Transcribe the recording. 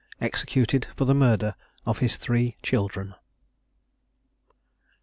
EXECUTED FOR THE MURDER OF HIS THREE CHILDREN.